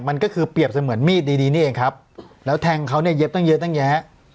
มันก็คือเปรียบเสมือนมีดดีดีนี่เองครับแล้วแทงเขาเนี่ยเย็บตั้งเยอะตั้งแยะ